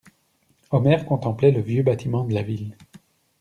Omer contemplait le vieux bâtiment de la Ville.